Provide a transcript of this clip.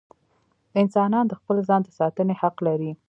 انسانان د خپل ځان د ساتنې حق لري.